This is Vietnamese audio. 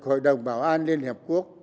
hội đồng bảo an liên hiệp quốc